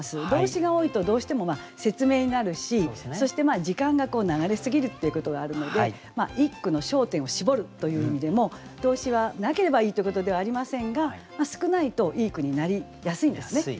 動詞が多いとどうしても説明になるしそして時間が流れ過ぎるっていうことがあるので一句の焦点を絞るという意味でも動詞はなければいいっていうことではありませんが少ないといい句になりやすいんですね。